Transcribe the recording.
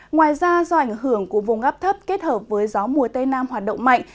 ngoài ra do ảnh hưởng của vùng áp thấp kết hợp với gió mùa tây nam hoạt động mạnh